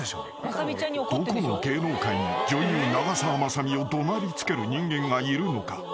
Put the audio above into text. ［どこの芸能界に女優長澤まさみを怒鳴りつける人間がいるのか？］